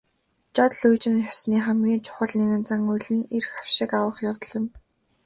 Жод лүйжин ёсны хамгийн чухал нэгэн зан үйл нь эрх авшиг авах явдал юм.